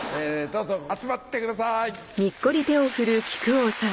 どうぞ集まってください。